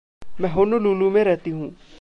मैं होनोलूलू में रहती हूँ।